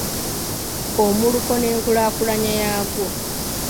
Omuluko n’enkulaakulanya yaagwo